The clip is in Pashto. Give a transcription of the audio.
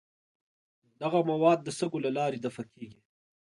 دغه مواد د سږو له لارې دفع کیږي.